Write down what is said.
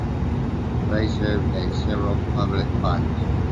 Rhys served on several public bodies.